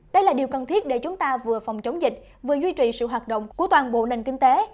đây là điều cần thiết để chúng ta vừa phòng chống dịch vừa duy trì sự hoạt động của toàn bộ nền kinh tế